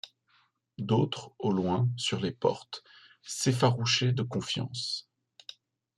D’autres, au loin, sur les portes, s’effarouchaient de confiance.